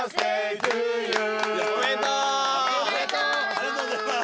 ありがとうございます。